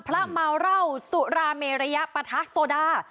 พระเมาเล่าสุราเมระยะปัทธาโซดา